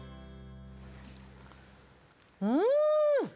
うん！